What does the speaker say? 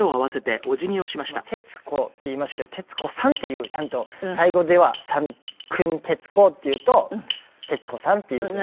今「徹子」って言いましたけど徹子さんっていうちゃんとタイ語ではクン徹子っていうと徹子さんっていうふうに。